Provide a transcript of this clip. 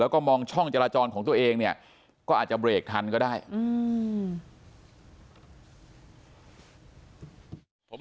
แล้วก็มองช่องจราจรของตัวเองเนี่ยก็อาจจะเบรกทันก็ได้อืม